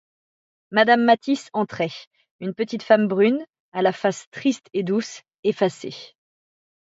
Madame Mathis entrait, une petite femme brune, à la face triste et douce, effacée.